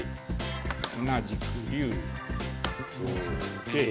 同じく竜同じく桂。